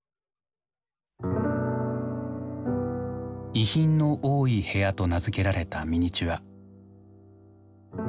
「遺品の多い部屋」と名付けられたミニチュア。